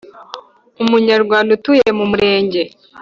Umunyarwanda utuye mu Murenge